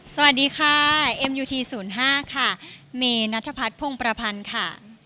สวัสดีค่ะเอ็มยูทีศูนย์ห้าค่ะมีณธพัดพรงประพันธ์ค่ะ